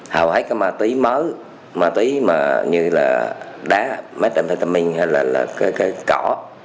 hầu hết cái mạ tí mới mạ tí như là đá methamphetamine hay là cái cỏ